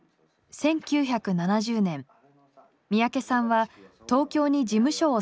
１９７０年三宅さんは東京に事務所を設立。